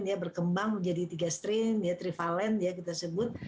dia berkembang menjadi tiga strain dia trivalen kita sebut